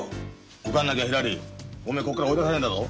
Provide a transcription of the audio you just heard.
受かんなきゃひらりおめえこっから追い出されんだぞ。